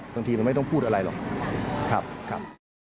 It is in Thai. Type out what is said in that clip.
บางทีมันไม่ต้องพูดอะไรหรอกครับ